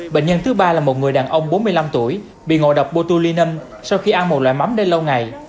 bệnh nhân thứ ba là một người đàn ông bốn mươi năm tuổi bị ngộ độc botulinum sau khi ăn một loại mắm đến lâu ngày